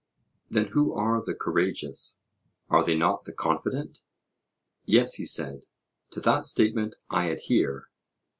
Then who are the courageous? Are they not the confident? Yes, he said; to that statement I adhere.